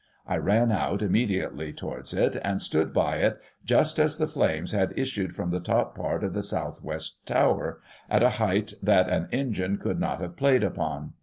I ran out, immediately, towards it, and stood by it, just as the flames had issued from the top part of the south west tower, at a height that an engine could not have played upon.